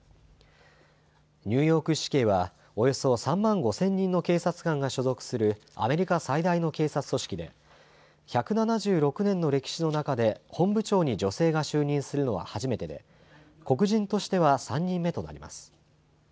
ニューヨーク市警はおよそ３万５０００人の警察官が所属するアメリカ最大の警察組織で１７６年の歴史の中で本部長に女性が就任するのは初めてで黒人としては３人目となります。